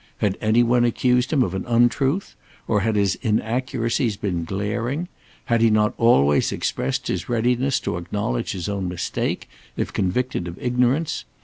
Had any one accused him of an untruth? Or had his inaccuracies been glaring? Had he not always expressed his readiness to acknowledge his own mistake if convicted of ignorance?